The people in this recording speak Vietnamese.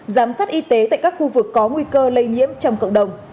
giám sát y tế tại các khu vực có nguy cơ lây nhiễm trong cộng đồng